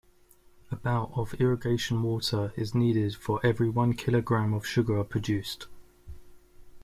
About of irrigation water is needed for every one kilogram of sugar produced.